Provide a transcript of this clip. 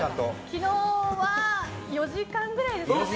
昨日は４時間くらいですかね。